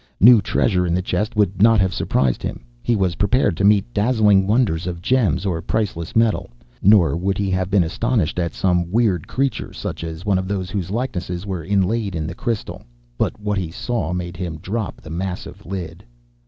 New treasure in the chest would not have surprised him. He was prepared to meet dazzling wonders of gems or priceless metal. Nor would he have been astonished at some weird creature such as one of those whose likenesses were inlaid in the crystal. But what he saw made him drop the massive lid.